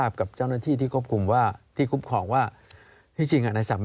วันที่๑๘มกราระหว่างที่นายศัพท์